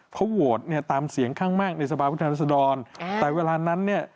เพราะวโหวตตามเสียงข้างมากในสภาพพฤทธิศดรแต่เวลานั้นเนี่ย